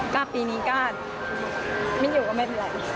ก็ปีนี้ก็ไม่อยู่ก็ไม่เป็นไร